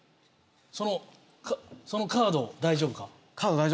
そのカード大丈夫か。